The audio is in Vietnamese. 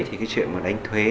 thì cái chuyện mà đánh thuế